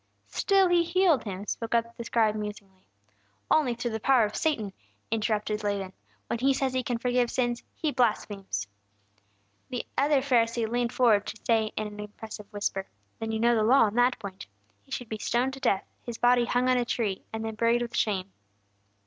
"Still He healed him," spoke up the scribe, musingly. "Only through the power of Satan!" interrupted Laban. "When He says He can forgive sins, He blasphemes." The other Pharisee leaned forward to say, in an impressive whisper: "Then you know the Law on that point. He should be stoned to death, His body hung on a tree, and then buried with shame!"